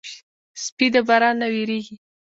سپي د باران نه وېرېږي.